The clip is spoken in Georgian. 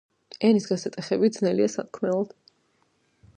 ენის გასატეხები ძნელია სათქმელად